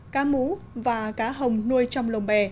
cá mú và cá hồng nuôi trong lồng bè